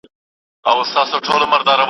ته به ولي پر سره اور بریانېدلای